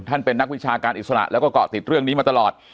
เป็นนักวิชาการอิสระแล้วก็เกาะติดเรื่องนี้มาตลอด